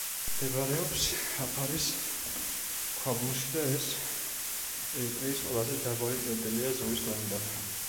მდებარეობს აფარის ქვაბულში და ეს ერიტრეის ყველაზე დაბალი წერტილია ზღვის დონიდან.